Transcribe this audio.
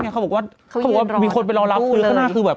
เขาก็บอกว่ามีคนไปรองรับหน้าน่าคือแบบ